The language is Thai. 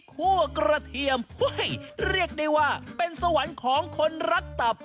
กระเทียมเรียกได้ว่าเป็นสวรรค์ของคนรักตับ